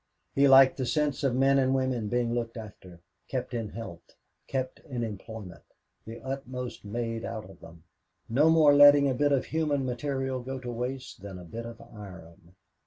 He liked the sense of men and women being looked after, kept in health, kept in employment, the utmost made out of them no more letting a bit of human material go to waste than a bit of iron.